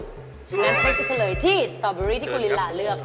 งั้นเป๊กจะเฉลยที่สตอเบอรี่ที่คุณลิลาเลือก